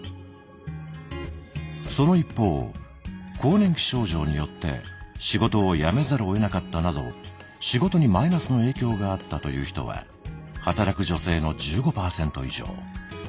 その一方更年期症状によって仕事を辞めざるをえなかったなど仕事にマイナスの影響があったという人は働く女性の１５％以上。